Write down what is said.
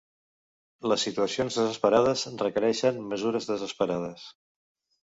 Les situacions desesperades requereixen mesures desesperades.